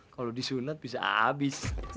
kalau disurat bisa abis